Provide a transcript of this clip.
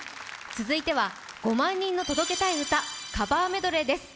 続いては、「５万人の届けたい歌カバーメドレー」です。